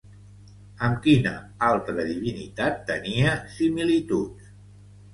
Amb quina altra divinitat tenia similituds?